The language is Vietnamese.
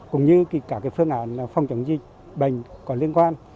cũng như các phương án phòng chống dịch bệnh có liên quan